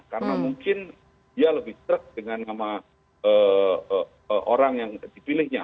karena mungkin dia lebih terkejut dengan nama orang yang dipilihnya